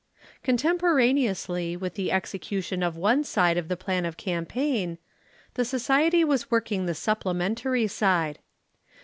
Contemporaneously with the execution of one side of the Plan of Campaign, the Society was working the supplementary side.